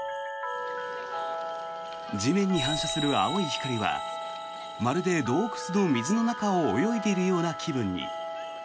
地面に反射する青い光はまるで洞窟の水の中を泳いでいるような気分に。